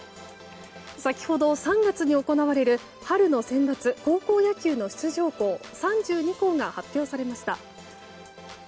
先ほど３月に行われる春のセンバツ高校野球の出場校３２校が発表されました。